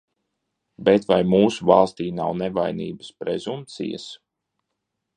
Bet vai mūsu valstī nav nevainības prezumpcijas?